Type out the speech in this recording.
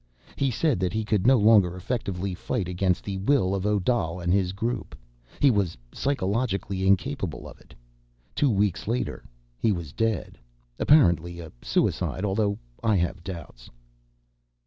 He said that he could no longer effectively fight against the will of Odal and his group ... he was psychologically incapable of it. Two weeks later he was dead—apparently a suicide, although I have doubts."